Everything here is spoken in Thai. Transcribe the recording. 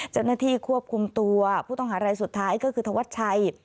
เจ้าหน้าที่ควบคุมตัวผู้ต้องหารายสุดท้ายก็คือธวัชชัย